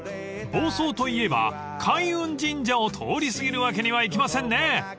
［房総といえば開運神社を通り過ぎるわけにはいきませんね］